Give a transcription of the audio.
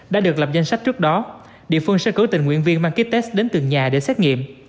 đã được lập danh sách trước đó địa phương sẽ cử tình nguyện viên mang ký test đến từng nhà để xét nghiệm